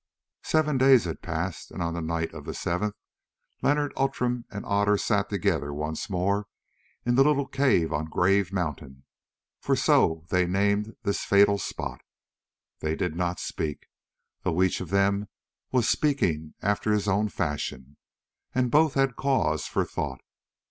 Seven days had passed, and on the night of the seventh Leonard Outram and Otter sat together once more in the little cave on Grave Mountain, for so they named this fatal spot. They did not speak, though each of them was speaking after his own fashion, and both had cause for thought.